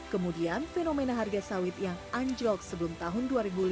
kemudian fenomena harga sawit yang anjlok sebelum tahun dua ribu lima belas